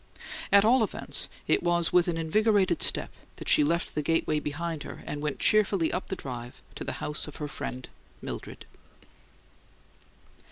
At all events, it was with an invigorated step that she left the gateway behind her and went cheerfully up the drive to the house of her friend Mildred.